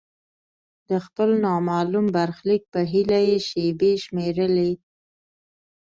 د خپل نامعلوم برخلیک په هیله یې شیبې شمیرلې.